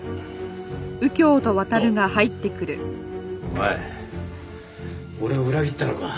お前俺を裏切ったのか？